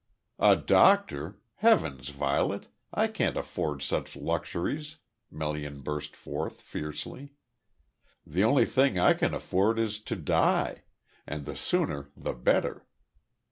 "A doctor? Heavens, Violet! I can't afford such luxuries," Melian burst forth fiercely. "The only thing I can afford is to die and the sooner the better."